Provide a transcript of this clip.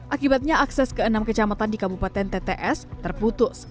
akibatnya akses ke enam kecamatan di kabupaten tts terputus